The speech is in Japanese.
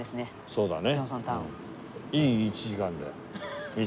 そうだよね。